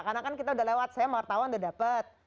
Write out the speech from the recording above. karena kan kita udah lewat saya mau artawan udah dapet